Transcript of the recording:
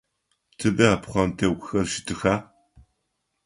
Тыдэ пхъэнтӏэкӏухэр щытыха?